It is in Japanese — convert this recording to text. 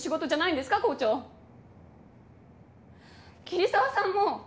桐沢さんも。